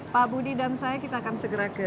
pak budi dan saya kita akan segera ke